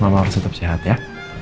mama harus tetap sehat ya